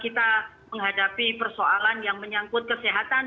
kita menghadapi persoalan yang menyangkut kesehatan